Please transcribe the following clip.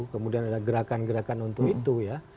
kemudian ada gerakan gerakan untuk itu ya